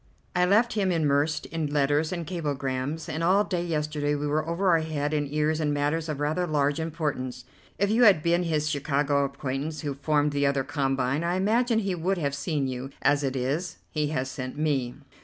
I left him immersed in letters and cablegrams, and all day yesterday we were over head and ears in matters of rather large importance. If you had been his Chicago acquaintance who formed the other combine, I imagine he would have seen you; as it is, he has sent me."